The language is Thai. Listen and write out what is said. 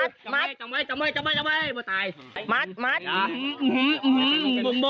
เริ่มต้มข้อไว้